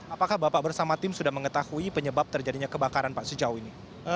apakah bapak bersama tim sudah mengetahui penyebab terjadinya kebakaran pak sejauh ini